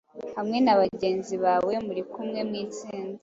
Hamwe na bagenzi bawe muri kumwe mu itsinda,